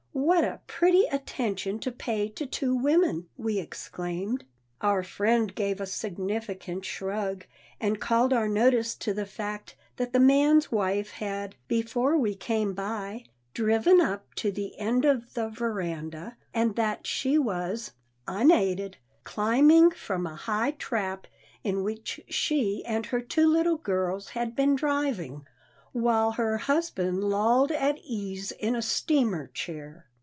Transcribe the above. "What a pretty attention to pay to two women!" we exclaimed. Our friend gave a significant shrug, and called our notice to the fact that the man's wife had, before we came by, driven up to the end of the veranda, and that she was, unaided, climbing from a high trap in which she and her two little girls had been driving, while her husband lolled at ease in a steamer chair.